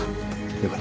よかった。